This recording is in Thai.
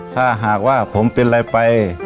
ถ้าหากว่าผมเป็นอะไรไป